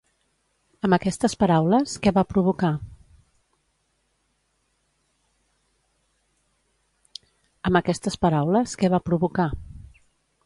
Amb aquestes paraules, què va provocar?